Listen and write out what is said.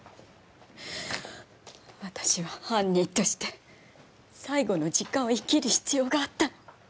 私は犯人として最後の時間を生きる必要があったの。